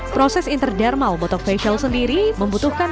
proses interdermal botok facial sendiri membutuhkan